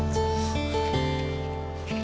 kok hp dimatikan